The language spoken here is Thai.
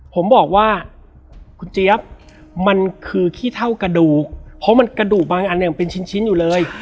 ผมบอกว่าคุณเจี๊ยบมันคือขี้เท่ากระดูกเพราะมันกระดูกบางอันเนี่ยมันเป็นชิ้นอยู่เลย